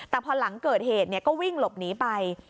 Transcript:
แต่พอหลังเกิดเหตุก็วิ่งหลบหนีไป